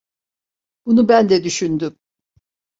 Bunu ben de düşündüm.